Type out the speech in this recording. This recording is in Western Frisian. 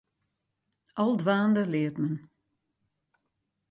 Al dwaande leart men.